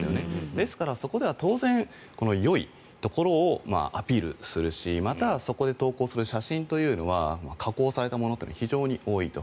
ですから、そこでは当然よいところをアピールするしまた、そこで投稿する写真というのは加工されたものというのは非常に多いと。